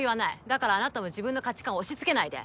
だからあなたも自分の価値観を押し付けないで。